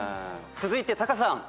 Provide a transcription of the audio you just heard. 続いてタカさん。